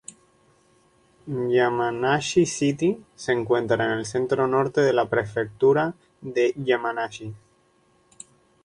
Yamanashi City se encuentra en el centro norte de la prefectura de Yamanashi.